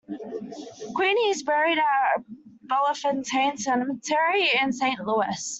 Queeny is buried at Bellefontaine Cemetery in Saint Louis.